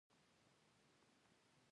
موجوده نیمچه امنیت هم له منځه ځي